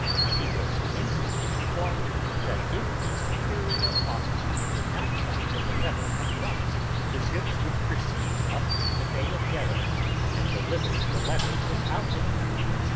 He was instantly informed that if the superior officer did not come for the letter at once the ships would proceed up the Bay of Yeddo and deliver the letter without him.